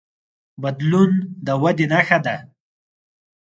بدلون د ودې نښه ده.